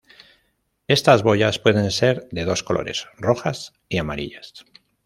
Estas boyas pueden ser de dos colores, rojas y amarillas.